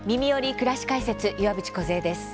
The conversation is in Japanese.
くらし解説」岩渕梢です。